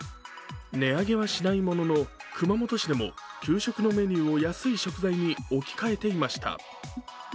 値上げはしないものの熊本市でも給食のメニューを安い食材に置き換えていました。